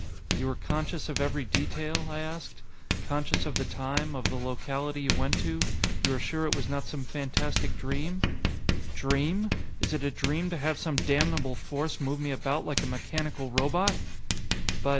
"You were conscious of every detail?" I asked. "Conscious of the time, of the locality you went to? You are sure it was not some fantastic dream?" "Dream! Is it a dream to have some damnable force move me about like a mechanical robot?" "But....